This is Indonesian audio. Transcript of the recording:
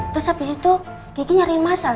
terus abis itu kiki nyariin mas al